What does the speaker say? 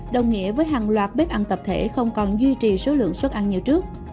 đồng nghĩa với hàng loạt bếp ăn tập thể không còn duy trì số lượng xuất ăn như trước